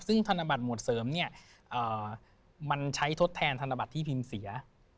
ซึ่งธนบัตรหมวดเสริมเนี่ยมันใช้ทดแทนธนบัตรที่พิมพ์เสีย